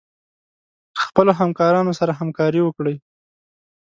خپلو همکارانو سره همکاري وکړئ.